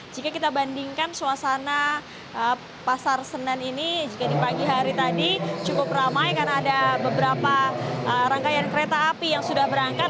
jika kita bandingkan suasana pasar senen ini jika di pagi hari tadi cukup ramai karena ada beberapa rangkaian kereta api yang sudah berangkat